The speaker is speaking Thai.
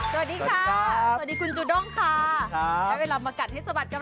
หรือเปล่า